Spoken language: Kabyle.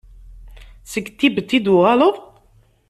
Seg Tibet i d-tuɣaleḍ?